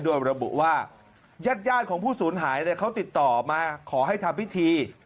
โดยระบุว่าญาติของผู้สูญหายเขาติดต่อมาขอให้ทำพิธี